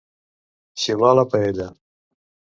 Xiular la paella.